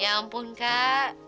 ya ampun kak